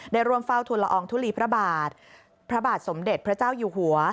ได้ร่วมเฝ้าทุลอองทุลีพระบาทพระบาทสมเด็จพระเจ้าอยู่หัว